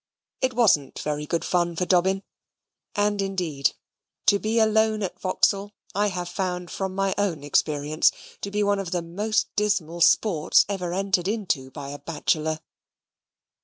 It wasn't very good fun for Dobbin and, indeed, to be alone at Vauxhall, I have found, from my own experience, to be one of the most dismal sports ever entered into by a bachelor.